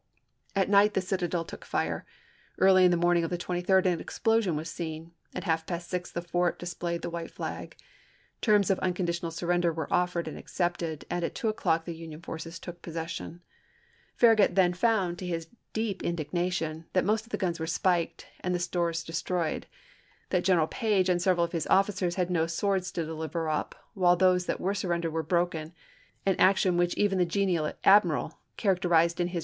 At night the citadel took fire ; early in the morning of the 23d an explosion was seen, and at half past six the fort displayed the white flag. Terms of uncon ditional surrender were offered and accepted, and at two o'clock the Union forces took possession. Farragut then found, to his deep indignation, that most of the guns were spiked, and the stores de Report Secretary of the Navy, 1864, pp. 472, 473. MOBILE BAY 239 stroyed; that General Page and several of his chap.x. officers had no swords to deliver up, while those that were surrendered were broken; an action secretary which even the genial admiral characterized in his Navy, i864; & p.